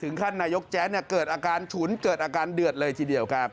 ท่านนายกแจ๊ดเกิดอาการฉุนเกิดอาการเดือดเลยทีเดียวครับ